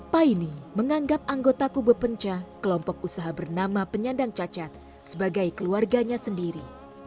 paine menganggap anggota kube penca kelompok usaha bernama penyandang cacat sebagai keluarganya sendiri